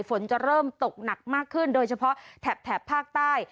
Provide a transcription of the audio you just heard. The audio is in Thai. ฝนจะเริ่มตกหนักมากขึ้นโดยเฉพาะแถบภาคใต้